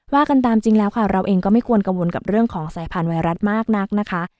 กันตามจริงแล้วค่ะเราเองก็ไม่ควรกังวลกับเรื่องของสายพันธุไวรัสมากนักนะคะ